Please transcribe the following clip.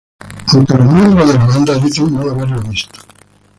Aunque los miembros de la banda dicen no haberlo visto.